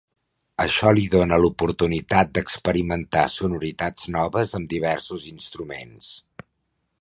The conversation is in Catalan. Això li dóna l'oportunitat d'experimentar sonoritats noves amb diversos instruments.